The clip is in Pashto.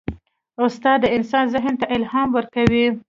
استاد د انسان ذهن ته الهام ورکوي.